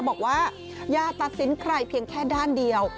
บอกว่าอย่าตัดสินใครเพียงแค่ด้านเดียว